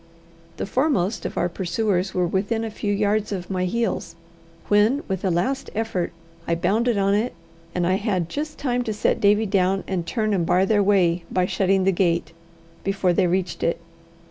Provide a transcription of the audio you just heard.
The foremost of our pursuers were within a few yards of my heels, when, with a last effort, I bounded on it; and I had just time to set Davie down and turn and bar their way by shutting the gate, before they reached it.